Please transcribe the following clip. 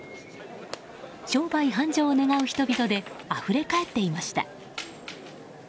商売繁盛を願う人々であふれかえっていました。